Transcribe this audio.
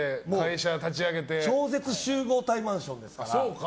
超絶集合体マンションですから。